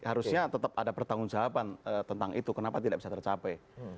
harusnya tetap ada pertanggung jawaban tentang itu kenapa tidak bisa tercapai